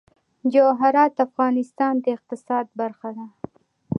جواهرات د افغانستان د اقتصاد برخه ده.